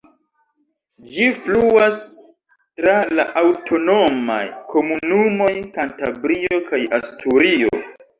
Ĝi fluas tra la aŭtonomaj komunumoj Kantabrio kaj Asturio.